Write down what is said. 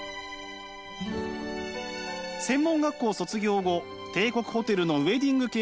専門学校卒業後帝国ホテルのウエディングケーキ